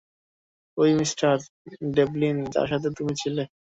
ওই mister Devlin যার সাথে তুমি ছিলে?